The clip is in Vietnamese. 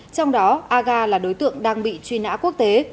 trong đó aga là đối tượng đang bị truy nã quốc tế